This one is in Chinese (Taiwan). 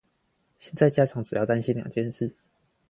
現在家長只要擔心兩件事